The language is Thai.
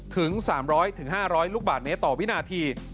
ถึง๓๐๐๕๐๐ลูกบาทเมตรต่อวินาที